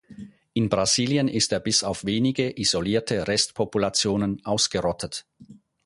In Brasilien ist er bis auf wenige isolierte Restpopulationen ausgerottet.